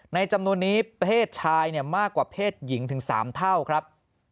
จำนวนนี้เพศชายมากกว่าเพศหญิงถึง๓เท่าครับ